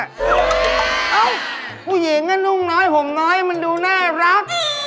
เอ้าผู้หญิงก็นุ่งน้อยห่มน้อยมันดูน่ารัก